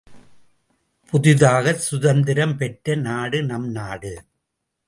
புதிதாகச் சுதந்திரம் பெற்ற நாடு நம் நாடு.